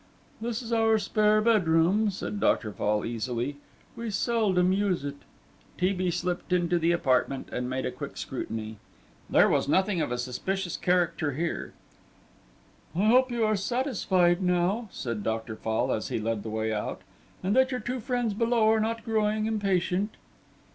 "This is our spare bedroom," said Dr. Fall, easily; "we seldom use it." T. B. slipped into the apartment and made a quick scrutiny. There was nothing of a suspicious character here. "I hope you are satisfied now," said Dr. Fall as he led the way out, "and that your two friends below are not growing impatient."